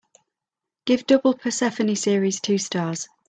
Give Double Persephone series two stars